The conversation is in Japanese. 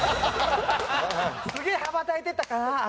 すげえ羽ばたいていったなあ